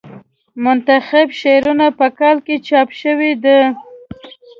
منتخب شعرونه په کال کې چاپ شوې ده.